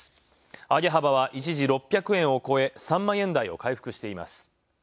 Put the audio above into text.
上げ幅は一時６００円を超え、３万円台を回復しています。